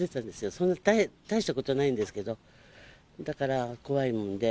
そんな大したことないんですけど、だから怖いもんで。